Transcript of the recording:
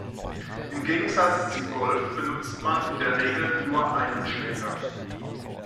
Im Gegensatz zum Golf benutzt man in der Regel nur einen Schläger.